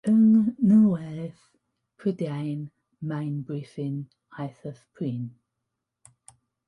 Yng ngwledydd Prydain mae'n bryfyn eithaf prin.